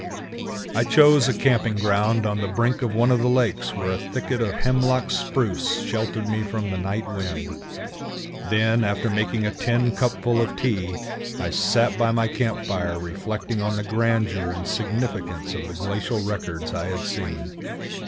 I chose a camping ground on the brink of one of the lakes where a thicket of Hemlock Spruce sheltered me from the night wind. Then, after making a tin cupful of tea, I sat by my camp fire reflecting on the grandeur and significance of the glacial records I had seen.